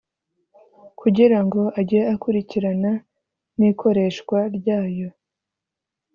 kugira ngo ajye akurikirana n’ikoreshwa ryayo